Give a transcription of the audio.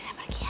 adrena pergi ya